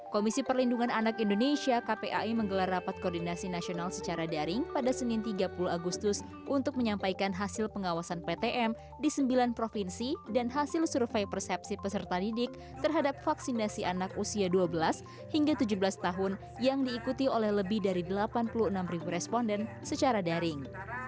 komisi perlindungan anak indonesia kpai menggelar rapat koordinasi nasional secara daring pada senin tiga puluh agustus untuk menyampaikan hasil pengawasan ptm di sembilan provinsi dan hasil survei persepsi peserta didik terhadap vaksinasi anak usia dua belas hingga tujuh belas tahun yang diikuti oleh lebih dari delapan puluh enam responden secara daring